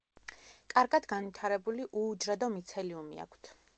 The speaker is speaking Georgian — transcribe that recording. კარგად განვითარებული უუჯრედო მიცელიუმი აქვთ.